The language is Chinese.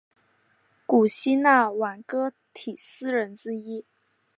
古希腊挽歌体诗人之一。